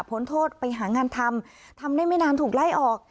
พ้นโทษไปหางานทำทำได้ไม่นานถูกไล่ออก